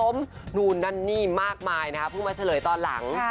พูดมาเฉลยตอนหลัง